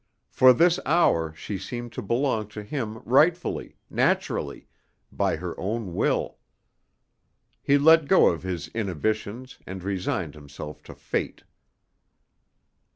For this hour she seemed to belong to him rightfully, naturally, by her own will. He let go of his inhibitions and resigned himself to Fate.